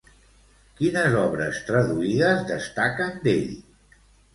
Quines obres traduïdes destaquen d'ell?